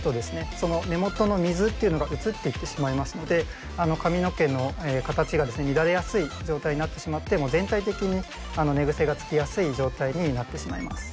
その根元の水というのが移っていってしまいますので髪の毛の形が乱れやすい状態になってしまって全体的に寝ぐせがつきやすい状態になってしまいます。